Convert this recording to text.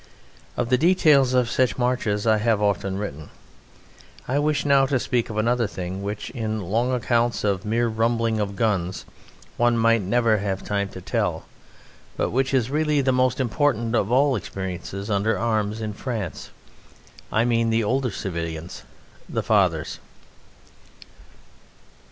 Of the details of such marches I have often written. I wish now to speak of another thing, which, in long accounts of mere rumbling of guns, one might never have time to tell, but which is really the most important of all experiences under arms in France I mean the older civilians, the fathers.